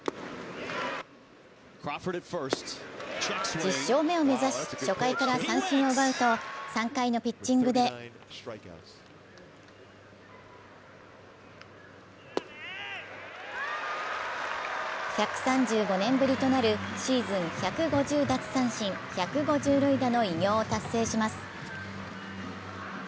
１０勝目を目指し、初回から三振を奪うと３回のピッチングで１３５年ぶりとなるシーズン１５０奪三振・１５０塁打の偉業を達成します。